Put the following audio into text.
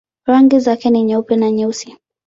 Rangi zake ni nyeupe na nyeusi.